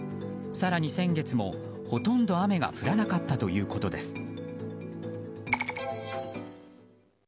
更に先月も、ほとんど雨が降らなかったということです。